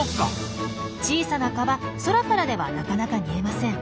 小さな蚊は空からではなかなか見えません。